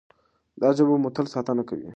دا ژبه به مو تل ساتنه کوي.